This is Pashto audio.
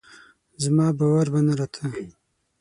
زما باور به نه راته